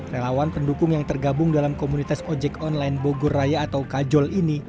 relawan pendukung yang tergabung dalam komunitas ojek online bogor raya atau kajol ini